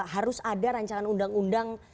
harus ada rancangan undang undang